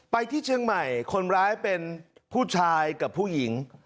ที่เชียงใหม่คนร้ายเป็นผู้ชายกับผู้หญิง